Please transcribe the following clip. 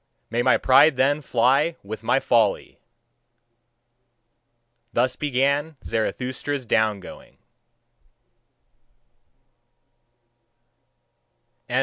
may my pride then fly with my folly!" Thus began Zarathustra's down going.